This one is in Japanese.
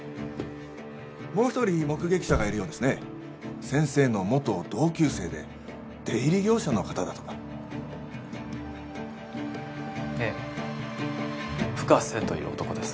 もう一人目撃者がいるようですね先生の元同級生で出入り業者の方だとかええ深瀬という男です